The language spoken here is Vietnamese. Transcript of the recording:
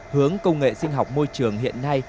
hướng công nghệ sinh học môi trường hiện nay